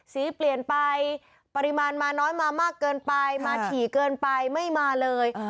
สีเปลี่ยนไปปริมาณมาน้อยมามากเกินไปมาถี่เกินไปไม่มาเลย